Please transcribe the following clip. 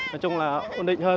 nói chung là ổn định hơn